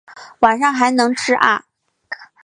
晚上还能吃啊